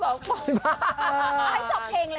เอาให้สองเพลงเลยนะ